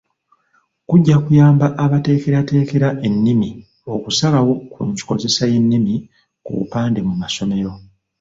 Kujja kuyamba abateekerateekera ennimi okusalawo ku nkozesa y'ennimi ku bupande mu masomero.